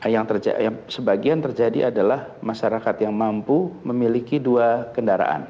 yang sebagian terjadi adalah masyarakat yang mampu memiliki dua kendaraan